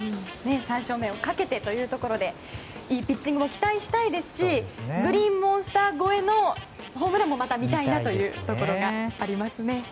３勝目をかけてということでいいピッチングを期待したいですしグリーンモンスター越えのホームランもまた見たいなというところがありますね。